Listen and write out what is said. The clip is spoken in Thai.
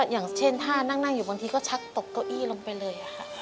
อย่างเช่นถ้านั่งอยู่บางทีก็ชักตกเก้าอี้ลงไปเลยค่ะ